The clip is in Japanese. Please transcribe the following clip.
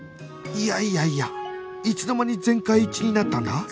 いやいやいやいつの間に全会一致になったんだ？